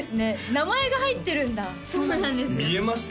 名前が入ってるんだそうなんです見えました？